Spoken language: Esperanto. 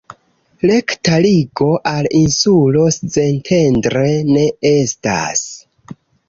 Rekta ligo al insulo Szentendre ne estas.